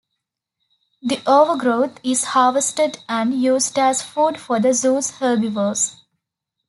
The overgrowth is harvested and used as food for the zoo's herbivores.